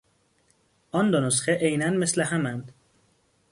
آن دو نسخه عینا مثل هماند.